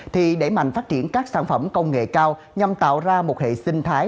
thì đẩy mạnh phát triển các sản phẩm công nghệ cao nhằm tạo ra một hệ sinh thái